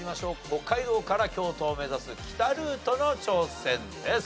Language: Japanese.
北海道から京都を目指す北ルートの挑戦です。